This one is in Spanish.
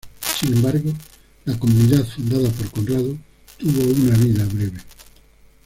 Sin embargo, la comunidad fundada por Conrado tuvo una vida breve.